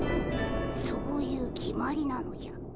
そういう決まりなのじゃ。